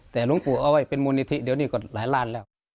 แต่หลวงปู่เอาไว้เป็นมูลนิธิเดี๋ยวนี้ก็หลายล้านแล้ว